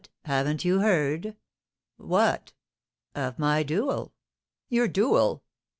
Haven't you heard?" "What?" "Of my duel " "Your duel?"